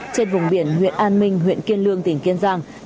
trên vùng biển huyện an minh huyện kiên lương tỉnh kiên giang